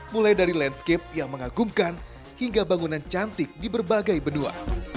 mulai dari landscape yang mengagumkan hingga bangunan cantik di berbagai benua